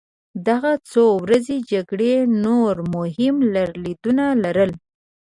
دغه څو ورځنۍ جګړې نور مهم لرلېدونه لرل.